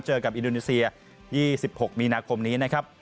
กับอินโดนีเซีย๒๖มีนาคมนี้นะครับ